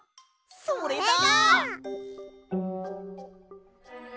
それだ！